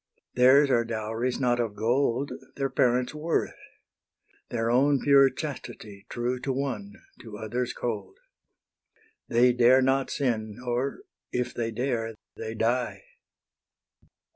Theirs are dowries not of gold, Their parents' worth, their own pure chastity, True to one, to others cold; They dare not sin, or, if they dare, they die.